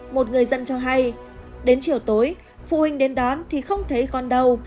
một người dân cho hay đến chiều tối phụ huynh đến đón thì không thấy con đâu